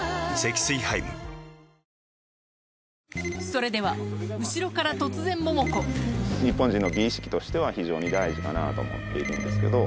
それでは後ろから突然桃子日本人の美意識としては非常に大事かなと思っているんですけど。